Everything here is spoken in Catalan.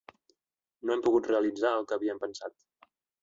No hem pogut realitzar el que havíem pensat.